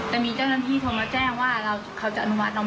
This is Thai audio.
แต่มีเจ้าหน้าที่โทรมาแจ้งว่าเขาจะอนุมัติออกมา